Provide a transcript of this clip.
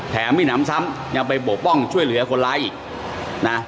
มิหนำซ้ำยังไปปกป้องช่วยเหลือคนร้ายอีกนะ